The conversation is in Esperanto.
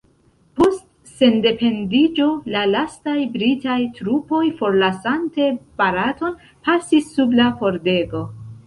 Post sendependiĝo, la lastaj britaj trupoj forlasante Baraton pasis sub la pordego.